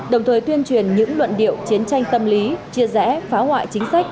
đồng thời tuyên truyền những luận điệu chiến tranh tâm lý chia rẽ phá hoại chính sách